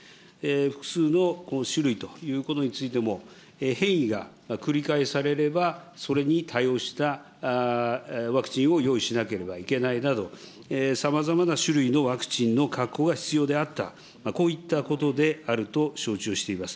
複数の種類ということについても、変異が繰り返されれば、それに対応したワクチンを用意しなければいけないなど、さまざまな種類のワクチンの確保が必要であった、こういったことであると承知をしております。